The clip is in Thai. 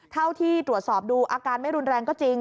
เท่าที่ตรวจสอบดูอาการไม่รุนแรงก็จริง